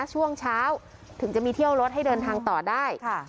ช่วงเช้าถึงจะมีเที่ยวรถให้เดินทางต่อได้